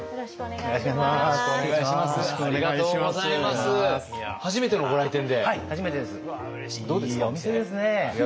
いいお店ですね。